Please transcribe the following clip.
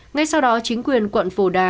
ngay sau đó chính quyền quận phổ đà